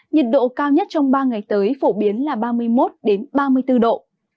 nhiệt độ cao nhất trong ba ngày tới phổ biến là ba mươi một ba mươi bốn độ